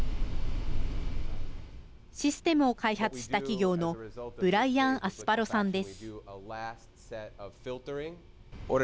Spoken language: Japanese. システムを開発した企業のブライアン・アスパロさんです。